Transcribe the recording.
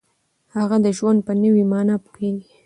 هغه د ژوند په نوې معنا پوهیږي.